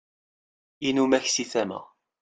inumak si tama